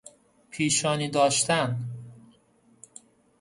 پیشانی داشتن